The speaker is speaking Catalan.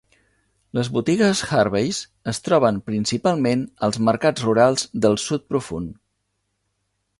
Les botigues Harveys es troben principalment als mercats rurals del Sud Profund.